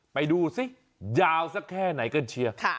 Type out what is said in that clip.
ไปดูซิยาวสักแค่ไหนกันเชียร์